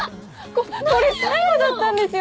これ最後だったんですよ！